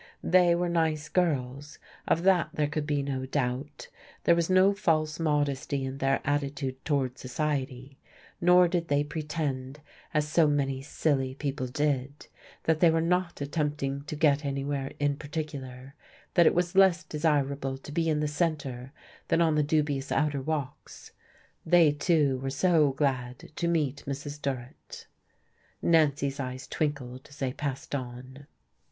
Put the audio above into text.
They were nice girls, of that there could be no doubt; there was no false modesty in their attitude toward "society"; nor did they pretend as so many silly people did, that they were not attempting to get anywhere in particular, that it was less desirable to be in the centre than on the dubious outer walks. They, too, were so glad to meet Mrs. Durrett. Nancy's eyes twinkled as they passed on.